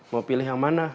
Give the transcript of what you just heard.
mau pilih yang mana